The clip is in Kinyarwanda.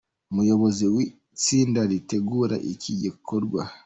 Umuyobozi w’itsinda ritegura iki gikorwa.